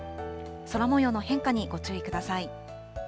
空もようの変化にご注意ください。